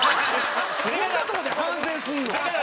そんなとこで反省すんの？